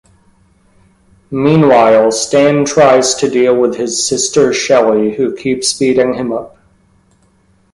Meanwhile, Stan tries to deal with his sister Shelley, who keeps beating him up.